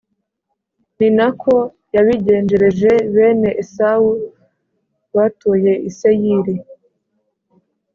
Ni na ko yabigenjereje bene Esawu batuye i Seyiri,